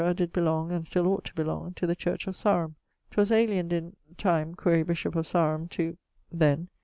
did belong (and still ought to belong) to the church of Sarum. 'Twas aliened in ... time (quaere bishop of Sarum) to ...; then